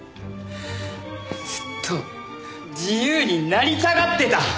ずっと自由になりたがってた。